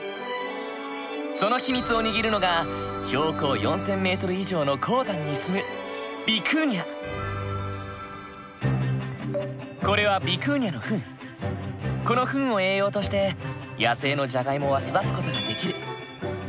その秘密を握るのが標高４，０００ｍ以上の高山に住むこれはこのフンを栄養として野生のじゃがいもは育つ事ができる。